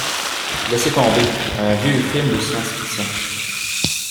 Laissez tomber, un vieux film de science-fiction.